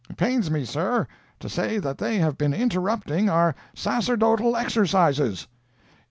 "It pains me, sir, to say that they have been interrupting our sacerdotal exercises."